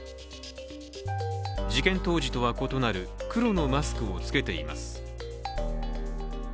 事件当時とは異なる黒のマスクを着けています。